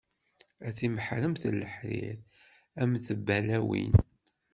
A timeḥremt n leḥrir, a mm tballawin.